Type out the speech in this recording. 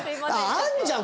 あるじゃん。